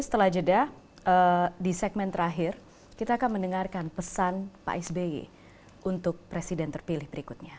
setelah jeda di segmen terakhir kita akan mendengarkan pesan pak sby untuk presiden terpilih berikutnya